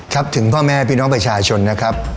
ถึงพ่อแม่พี่น้องประชาชนนะครับ